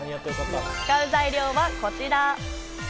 使う材料はこちら。